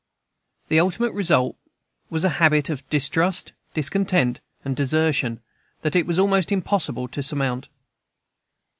The ultimate result was a habit of distrust, discontent, and desertion, that it was almost impossible to surmount.